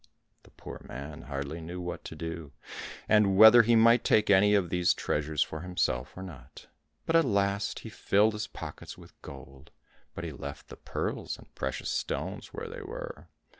The poor man hardly knew what to do, and whether he might take any of these treasures for himself or not; but at last he filled his pockets with gold, but he left the pearls and precious stones where they were.